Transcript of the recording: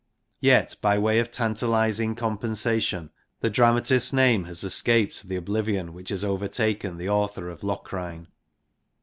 Yet, by way of tantalising compensation, the dramatist's name has escaped the oblivion which has overtaken the author of Locrine.